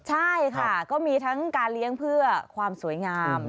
ใช่ค่ะก็มีทั้งการเลี้ยงเพื่อความสวยงาม